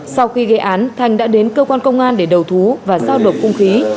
sau khi gây án thanh đã đến cơ quan công an để đầu thú và giao đột cung khí